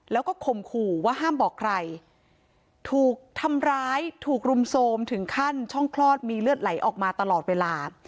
แล้วก็ข่มขู่ว่าห้ามบอกใครถูกทำร้ายถูกรุมโทรมถึงขั้นช่องคลอดมีเลือดไหลออกมาตลอดเวลา